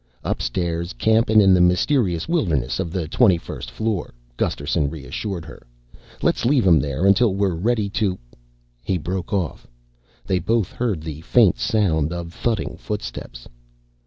"Upstairs campin' in the mysterious wilderness of the 21st floor," Gusterson reassured her. "Let's leave 'em there until we're ready to " He broke off. They both heard the faint sound of thudding footsteps.